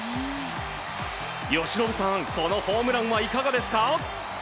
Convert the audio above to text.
由伸さん、このホームランはいかがですか？